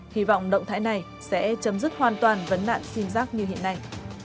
hy vọng động thái này sẽ chấm dứt hoàn toàn vấn nạn sim giác như hiện nay